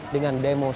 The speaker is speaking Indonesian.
dengan demo sejarah